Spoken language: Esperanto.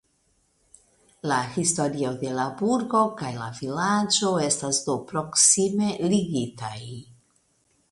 La historio de la burgo kaj la vilaĝo estas do proksime ligitaj.